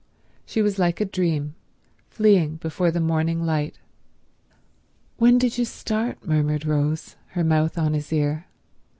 She was like a dream, fleeing before the morning light. "When did you start?" murmured Rose, her mouth on his ear.